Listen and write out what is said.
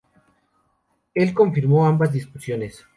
Él confirmó ambas discusiones.